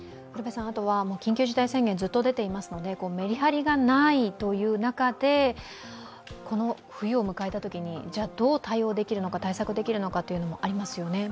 緊急事態宣言ずっと出ていますのでめりはりがないという中で、冬を迎えたときにどう対応できるのか、対策できるのかというのもありますよね？